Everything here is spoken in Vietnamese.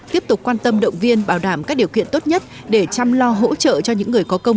tiếp tục quan tâm động viên bảo đảm các điều kiện tốt nhất để chăm lo hỗ trợ cho những người có công